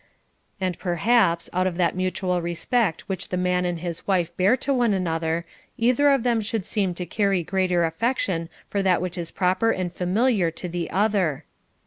And perhaps, out of that mutual respect which the man and his wife bear one to another, either of them would seem to carry greater affection for that which is proper and familiar to the other.